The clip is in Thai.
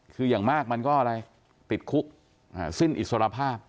คืออย่างมากมันก็อะไรติดคุกสิ้นอิสรภาพ